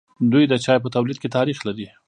دوی د چای په تولید کې تاریخ لري.